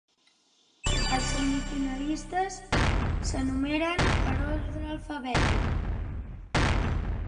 Els semifinalistes s'enumeren per ordre alfabètic.